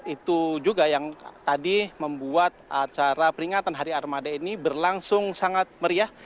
itu juga yang tadi membuat acara peringatan hari armada ini berlangsung sangat meriah